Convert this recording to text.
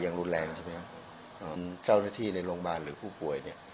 รุนแรงใช่ไหมครับเจ้าหน้าที่ในโรงพยาบาลหรือผู้ป่วยเนี่ย